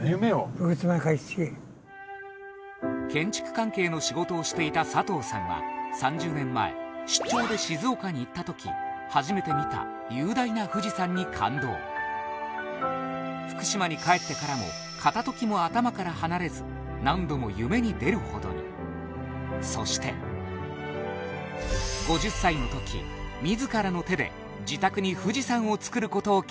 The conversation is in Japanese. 福島へ帰ってきて建築関係の仕事をしていた佐藤さんは３０年前出張で静岡に行った時初めて見た雄大な富士山に感動福島に帰ってからも片時も頭から離れず何度も夢に出るほどにそして５０歳の時自らの手で自宅に富士山を造ることを決意しました